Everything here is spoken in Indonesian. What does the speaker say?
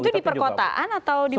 itu di perkotaan atau di